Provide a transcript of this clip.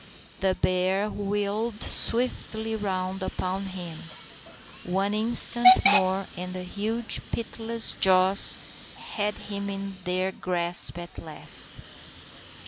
The bear wheeled swiftly round upon him. One instant more, and the huge, pitiless jaws had him in their grasp at last.